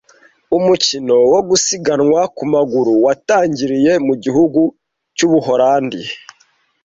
Umukino wo gusiganwa ku maguru watangiriye mu gihugu cy'Ubuholandi